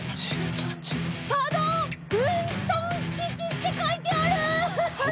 「佐渡分屯基地」って書いてある！